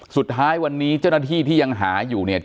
สุดท้ายวันนี้เจ้าหน้าที่ที่ยังหาอยู่เนี่ย